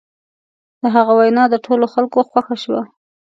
د هغه وینا د ټولو خلکو خوښه شوه.